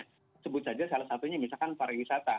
itu disebut saja salah satunya misalkan para wisata